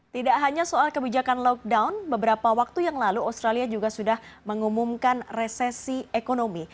tidak hanya soal kebijakan lockdown beberapa waktu yang lalu australia juga sudah mengumumkan resesi ekonomi